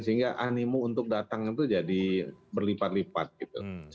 sehingga animu untuk datang itu jadi berlipat lipat gitu